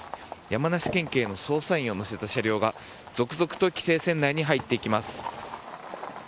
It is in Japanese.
山梨県警の捜査員を乗せた車両が続々と規制線内に入っていきます。